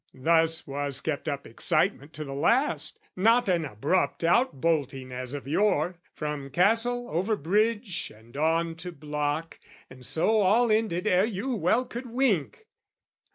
"Thus was kept up excitement to the last, " Not an abrupt out bolting, as of yore, "From Castle, over Bridge and on to block, "And so all ended ere you well could wink!